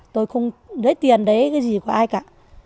tôi không lấy tiền đấy cái gì của ai cả